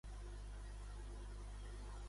Què li fa temor a les mares?